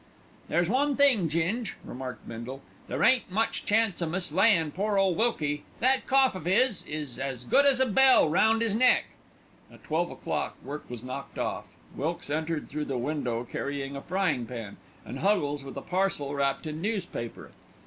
"There's one thing, Ging," remarked Bindle, "there ain't much chance o' mislayin' pore ole Wilkie. That cough of 'is is as good as a bell round 'is neck." At twelve o'clock, work was knocked off. Wilkes entered through the window carrying a frying pan, and Huggles with a parcel wrapped in newspaper.